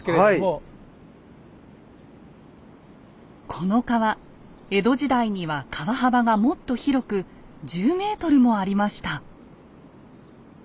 この川江戸時代には川幅がもっと広く１０ｍもありました。